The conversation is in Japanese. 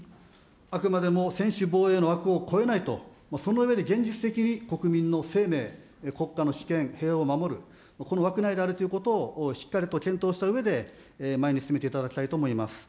あくまでも専守防衛の枠を超えないと、その上で現実的に国民の生命、国家の主権、平和を守る、この枠内であることをしっかりと検討したうえで、前に進めていただきたいと思います。